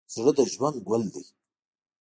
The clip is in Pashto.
زړه د ژوند ګل دی.